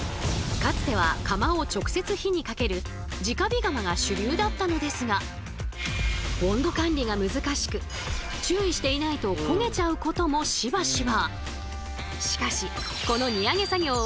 かつては釜を直接火にかける直火釜が主流だったのですが温度管理が難しく注意していないと焦げちゃうこともしばしば。